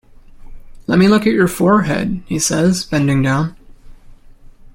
"Let me look at your forehead," he says, bending down.